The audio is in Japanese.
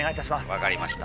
分かりました。